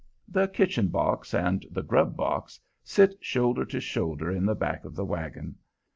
The "kitchen box" and the "grub box" sit shoulder to shoulder in the back of the wagon.